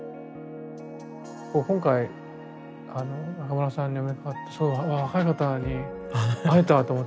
今回中村さんにお目にかかってすごい若い方に会えたと思って。